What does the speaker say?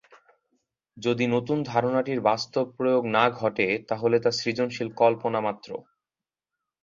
যদি নতুন ধারণাটির বাস্তব প্রয়োগ না ঘটে, তাহলে তা সৃজনশীল কল্পনা মাত্র।